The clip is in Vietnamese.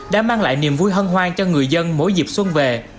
đã mang lại niềm vui hân hoan cho người dân mỗi dịp xuân về